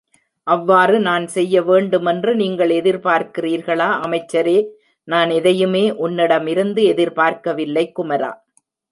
அவ்வாறு நான் செய்ய வேண்டுமென்று நீங்கள் எதிர்பார்க்கிறீர்களா அமைச்சரே? நான் எதையுமே உன்னிடம் இருந்து எதிர்பார்க்கவில்லை குமரா!